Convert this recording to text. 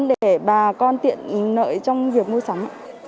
để bà con tiện nợ trong việc mua sắm